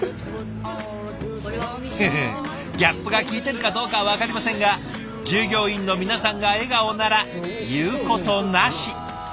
フフギャップが効いているかどうかは分かりませんが従業員の皆さんが笑顔なら言うことなし。